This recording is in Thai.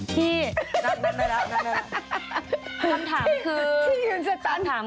ที่ยืนสตัน